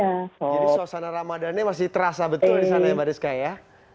jadi suasana ramadhan nya masih terasa betul di sana ya mbak rizka ya